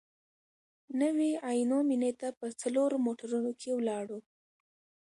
نوي عینو مېنې ته په څلورو موټرونو کې ولاړو.